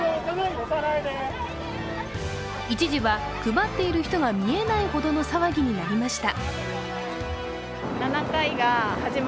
一時は配っている人が見えないほどの騒ぎになりました。